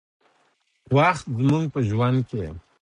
وخت زموږ په ژوند کې